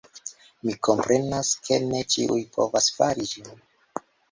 Mi komprenas, ke ne ĉiuj povas fari ĝin